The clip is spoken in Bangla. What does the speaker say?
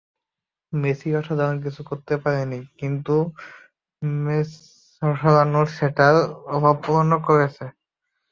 মেসি অসাধারণ কিছু করতে পারেনি, কিন্তু মাচেরানোরা সেটার অভাব পূরণ করেছে।